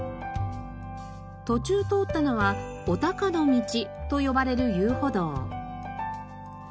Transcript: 途中通ったのはお鷹の道と呼ばれる遊歩道。